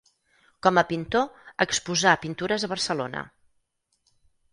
Com a pintor exposà pintures a Barcelona.